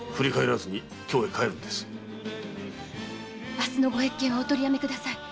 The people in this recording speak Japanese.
明日のご謁見はお取りやめください。